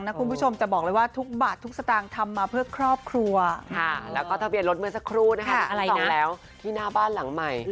คุณครูนะครับที่๒แล้วที่หน้าบ้านหลังใหม่